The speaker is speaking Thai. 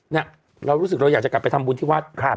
เนี่ยเรารู้สึกเราอยากจะกลับไปทำบุญที่วัด